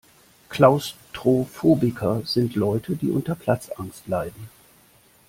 Klaustrophobiker sind Leute, die unter Platzangst leiden.